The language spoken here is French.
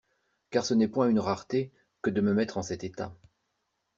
Car ce n'est point une rareté que de me mettre en cet état.